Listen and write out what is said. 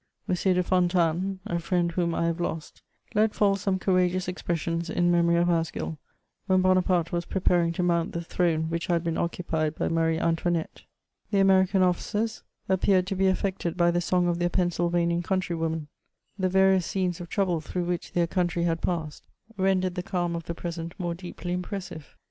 M. de Fontanes, a ^end whom I have lost, let £ei11 some courageous expressions m memory of Asgill, when Bonaparte was preparing to mount the throne which had been occupied by Marie Antoi nette The American officers appeared to be affected by the song of their Pensylvanian countrywoman ; the various scenes of trouble through which their country had passed rendered the calm of the present more deeply impressive.